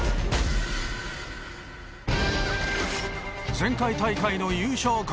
前回大会の優勝国